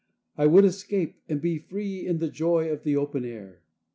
I would escape and be free in the joy of the open air.